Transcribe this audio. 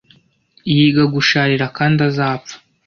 yiga gusharira kandi azapfa